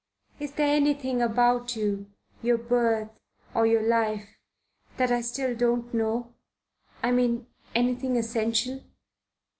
Is there anything about you, your birth or your life that I still don't know I mean, anything essential?"